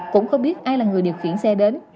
cũng không biết ai là người điều khiển xe đến